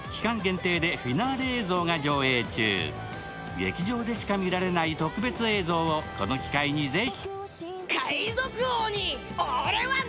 劇場でしか見られない特別映像を、この機会にぜひ。